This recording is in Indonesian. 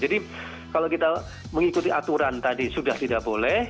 jadi kalau kita mengikuti aturan tadi sudah tidak boleh